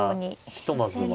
ひとまずは。